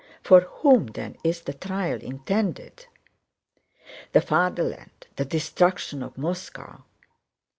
For whom then is the trial intended? The Fatherland, the destruction of Moscow!